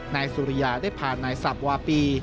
นายสุริยาได้พานายสับวาปี